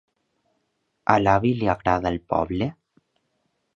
A l'avi li agrada el poble?